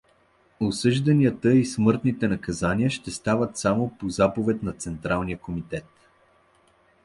Осъжданията и смъртните наказания ще стават само по заповед на централния комитет.